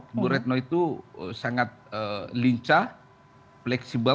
ibu retno itu sangat lincah fleksibel